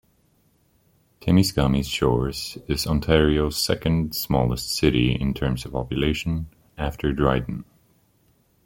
Temiskaming Shores is Ontario's second-smallest city, in terms of population, after Dryden.